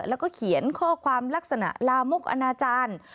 แล้วก็เขียนข้อความลักษณะลามกอนาจารย์